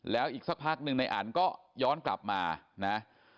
แล้วอีกสักพักหนึ่งในอันก็ย้อนกลับมานะ